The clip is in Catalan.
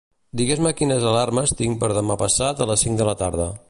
Digues-me quines alarmes tinc per demà passat a les cinc de la tarda.